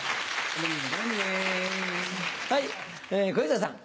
はい小遊三さん。